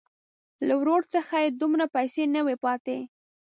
له ورور څخه یې دومره پیسې نه وې پاتې.